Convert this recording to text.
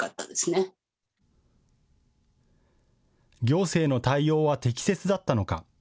行政の対応は適切だったのか。